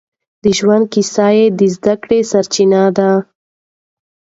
د ژوند کيسه يې د زده کړې سرچينه ده.